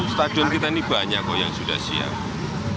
stadion kita ini banyak kok yang sudah siap